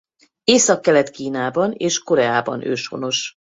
Északkelet-Kínában és Koreában őshonos.